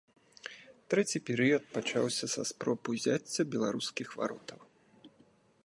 Трэці перыяд пачаўся са спроб узяцця беларускіх варотаў.